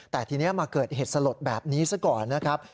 แต่ทีนี้มาเกิดเหตุสลดแบบนี้ซะก่อนนะครับ